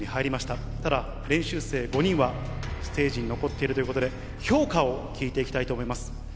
ただ、練習生５人は、ステージに残っているということで、評価を聞いていきたいと思います。